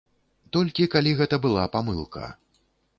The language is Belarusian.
Толькі калі гэта была памылка.